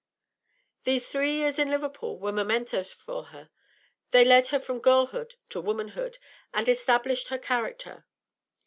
These three years in Liverpool were momentous for her; they led her from girlhood to womanhood, and established her character.